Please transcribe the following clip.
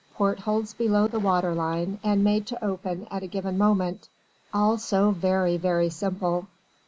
Portholes below the water line and made to open at a given moment. All so very, very simple.